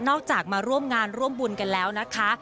จากมาร่วมงานร่วมบุญกันแล้วนะคะ